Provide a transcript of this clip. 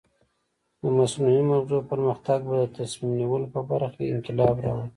د مصنوعي مغزو پرمختګ به د تصمیم نیولو په برخه کې انقلاب راولي.